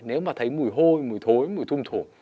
nếu mà thấy mùi hôi mùi thối mùi thum thủ